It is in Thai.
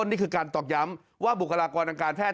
อันนี้คือการตอบย้ำว่าบุคลากรรมการแพทย์